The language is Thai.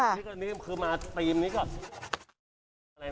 นี่ก็นี่ไปมาตรีมกับ